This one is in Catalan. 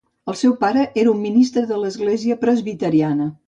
El seu pare era un ministre de l'Església Presbiteriana.